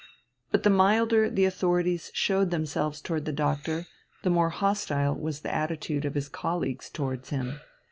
But the milder the authorities showed themselves towards the Doctor, the more hostile was the attitude of his colleagues towards him.